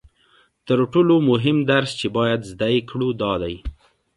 تر ټولو مهم درس چې باید زده یې کړو دا دی